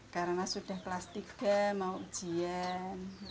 karena sudah kelas tiga mau ujian